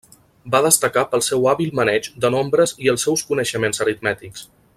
Va destacar pel seu hàbil maneig de nombres i els seus coneixements aritmètics.